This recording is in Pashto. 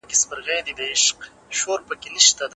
څېړونکی باید په ژوند کې ریښتونولي ولري.